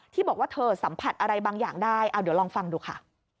ที่บอกว่าเธอสัมผัสอะไรบางอย่างได้เอาเดี๋ยวลองฟังดูค่ะ